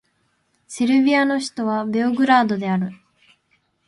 セルビアの首都はベオグラードである